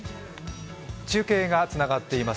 中継がつながっています。